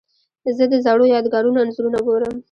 زه د زړو یادګارونو انځورونه ګورم.